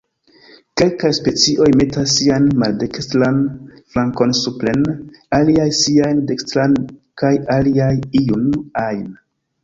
Kelkaj specioj metas sian maldekstran flankon supren, aliaj sian dekstran kaj aliaj iun ajn.